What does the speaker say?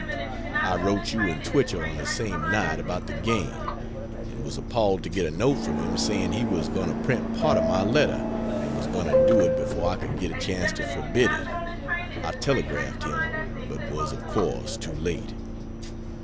I wrote you and Twichell on the same night, about the game, and was appalled to get a note from him saying he was going to print part of my letter, and was going to do it before I could get a chance to forbid it. I telegraphed him, but was of course too late.